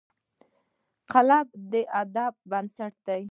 قلم د ادب بنسټ دی